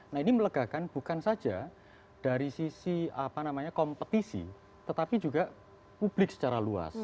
nah ini melegakan bukan saja dari sisi kompetisi tetapi juga publik secara luas